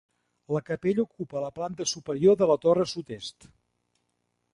La capella ocupa la planta superior de la torre sud-est.